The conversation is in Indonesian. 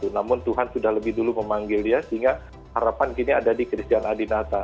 namun tuhan sudah lebih dulu memanggil dia sehingga harapan kini ada di christian adinata